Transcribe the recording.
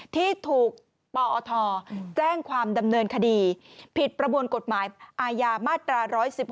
ที่ถูกปอทแจ้งความดำเนินคดีผิดประมวลกฎหมายอาญามาตรา๑๑๖